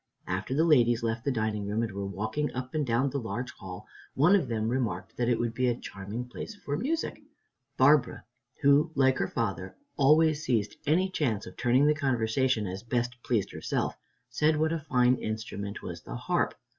After the ladies left the dining room and were walking up and down the large hall, one of them remarked that it would be a charming place for music. Barbara, who like her father always seized any chance of turning the conversation as best pleased herself, said what a fine instrument was the harp.